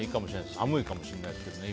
寒いかもしれないですけど、今。